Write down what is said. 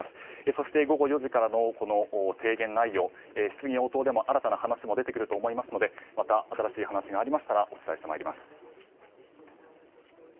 そして午後４時からの提言内容質疑応答でも新たな話も出てくると思いますので新たな話がありましたらお伝えしてまいります。